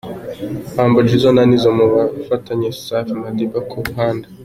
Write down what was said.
Humble Jizzo na Nizzo mu bufatanye, Safi Madiba ku ruhande.